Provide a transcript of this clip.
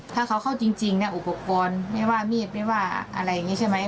ถ้าเขาเข้าจริงเนี่ยอุปกรณ์ไม่ว่ามีดไม่ว่าอะไรอย่างนี้ใช่ไหม